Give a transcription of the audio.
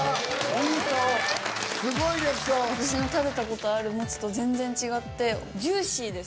私の食べた事あるモツと全然違ってジューシーです。